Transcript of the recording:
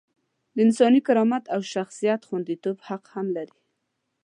د انساني کرامت او شخصیت خونديتوب حق هم لري.